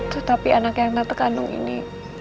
tetapi anak yang tante kandung ini